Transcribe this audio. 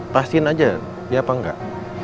pasin aja dia apa enggak